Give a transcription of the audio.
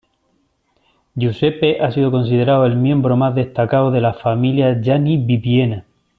Giuseppe ha sido considerado el miembro más destacado de la familia Galli-Bibbiena.